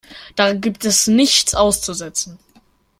Daran gibt es nichts auszusetzen.